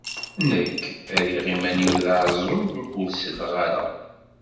Nekk, rriɣ iman-iw d aɛeẓẓug, ur selleɣ ara.